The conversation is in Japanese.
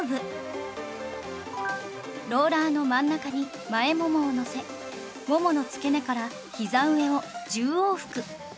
ローラーの真ん中に前ももをのせももの付け根からひざ上を１０往復